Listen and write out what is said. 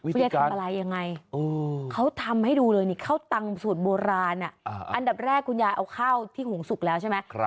คุณยายทำอะไรยังไงเขาทำให้ดูเลยนี่ข้าวตำสูตรโบราณอันดับแรกคุณยายเอาข้าวที่หุงสุกแล้วใช่ไหม